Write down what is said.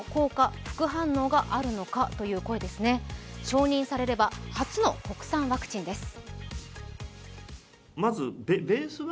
承認されれば初の国産ワクチンです。